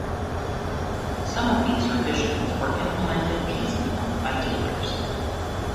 Some of these revisions were implemented piecemeal by dealers.